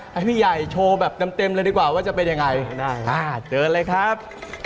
ให้พี่ใหญ่โชว์แบบเต็มเลยดีกว่าว่าจะเป็นยังไงเชิญเลยครับ